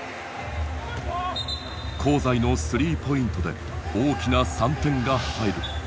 香西のスリーポイントで大きな３点が入る。